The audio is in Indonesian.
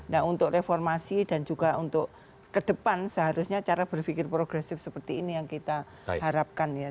nah untuk reformasi dan juga untuk kedepan seharusnya cara berpikir progresif seperti ini yang kita harapkan ya